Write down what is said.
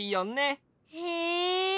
へえ！